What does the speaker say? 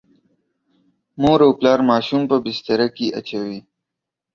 مور او پلار ماشوم په بستره کې اچوي.